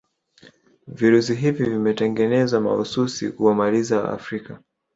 virusi hivi vimetengenezwa mahususi kuwamaliza waafrika